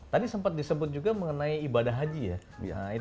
tadi sempat disebut juga mengenai ibadah haji ya